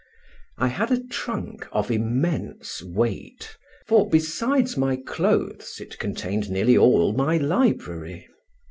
I had a trunk of immense weight, for, besides my clothes, it contained nearly all my library.